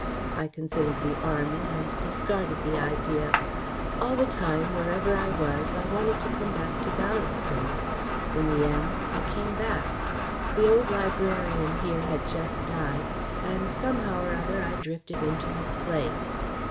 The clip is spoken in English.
I considered the army and discarded the idea. All the time, wherever I was, I wanted to come back to Ballaston. In the end I came back. The old librarian here had just died, and somehow or other I drifted into his place.